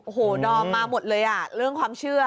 โอ้โหดอมมาหมดเลยอ่ะเรื่องความเชื่อ